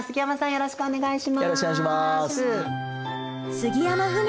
よろしくお願いします。